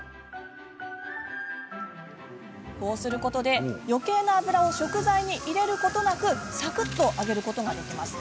こうすることで、よけいな油を食材に入れることなくサクっと揚げることができます。